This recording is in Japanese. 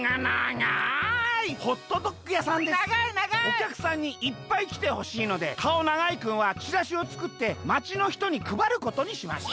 「おきゃくさんにいっぱいきてほしいのでかおながいくんはチラシをつくってまちのひとにくばることにしました」。